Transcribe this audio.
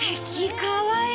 かわいい！